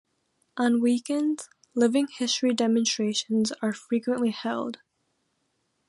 On weekends, living history demonstrations are frequently held.